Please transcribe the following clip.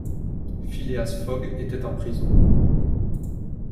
Phileas Fogg était en prison.